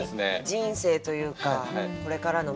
人生というかこれからの未来。